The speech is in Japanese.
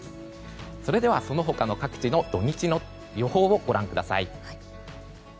それではその他の各地の土日の予報をご覧ください。